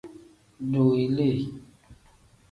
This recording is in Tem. Duu ilii.